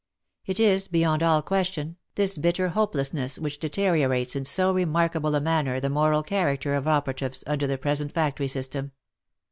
It is, beyond all question, this bitter hopelessness which dete riorates in so remarkable a manner the moral character of operatives under the present factory system.